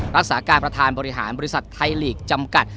รักษาการประธานบริหารบริษัทไทยลีกจำกัด